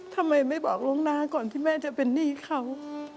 ทำไมไม่บอกล่วงหน้าก่อนที่แม่จะเป็นหนี้เขา